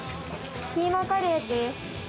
キーマカレーです。